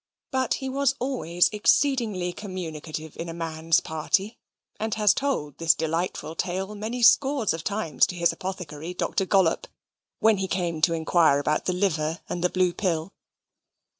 But he was always exceedingly communicative in a man's party, and has told this delightful tale many scores of times to his apothecary, Dr. Gollop, when he came to inquire about the liver and the blue pill.